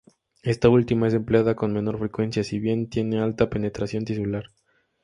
Esta última es empleada con menor frecuencia, si bien tiene alta penetración tisular.